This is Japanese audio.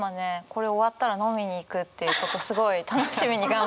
これ終わったら飲みに行くっていうことすごい楽しみに頑張ってるんです。